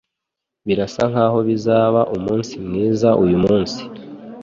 Birasa nkaho bizaba umunsi mwiza uyumunsi.